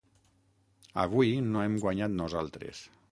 Avui no hem guanyat nosaltres.